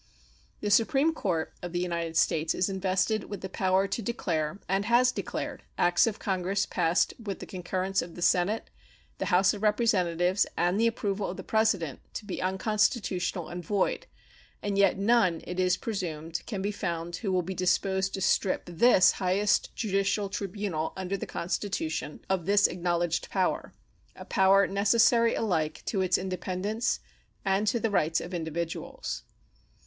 The Supreme Court of the United States is invested with the power to declare, and has declared, acts of Congress passed with the concurrence of the Senate, the House of Representatives, and the approval of the President to be unconstitutional and void, and yet none, it is presumed, can be found who will be disposed to strip this highest judicial tribunal under the Constitution of this acknowledged power a power necessary alike to its independence and the rights of individuals.